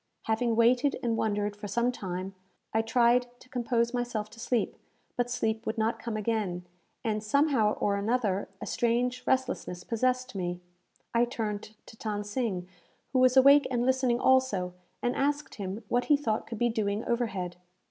Having waited and wondered for some time, I tried to compose myself to sleep; but sleep would not come again, and, somehow or another, a strange restlessness possessed me. I turned to Than Sing, who was awake and listening also, and asked him what he thought could be doing overhead?